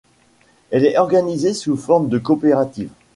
Elle est organisée sous forme de coopérative.